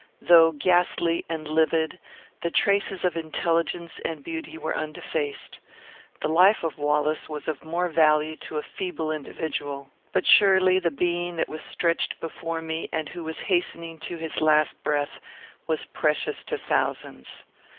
Though ghastly and livid, the traces of intelligence and beauty were undefaced. The life of Wallace was of more value to a feeble individual; but surely the being that was stretched before me, and who was hastening to his last breath, was precious to thousands.